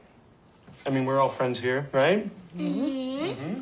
ん。